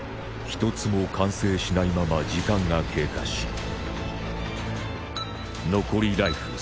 １つも完成しないまま時間が経過し残りライフ